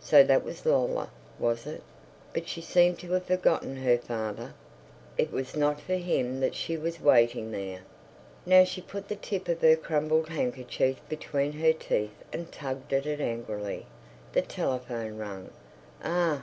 So that was Lola, was it? But she seemed to have forgotten her father; it was not for him that she was waiting there. Now she put the tip of her crumpled handkerchief between her teeth and tugged at it angrily. The telephone rang. A ah!